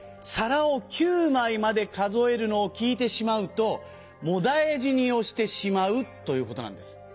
皿を９枚まで数えるのを聞いてしまうともだえ死にをしてしまうということなんです。